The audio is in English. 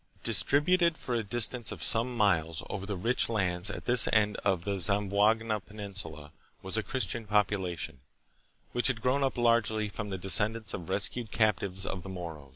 Distributed for a distance of some miles over the rich lands at this end of the Zamboanga peninsula was a Chris tian population, which had grown up largely from the de scendants of rescued captives of the Moros.